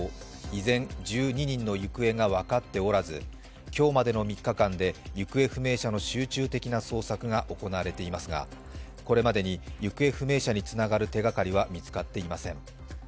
依然、１２人の行方が分かっておらず今日までの３日間で行方不明者の集中的な捜索が行われていますがこれまでに行方不明者につながる手がかりは見つかっていません。